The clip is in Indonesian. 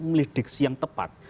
memilih diksi yang tepat